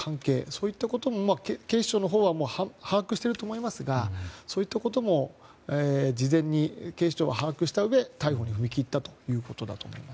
そういったことも警視庁のほうは把握していると思いますがそういったことも事前に警視庁は把握したうえで逮捕に踏み切ったということだと思います。